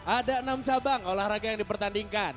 ada enam cabang olahraga yang dipertandingkan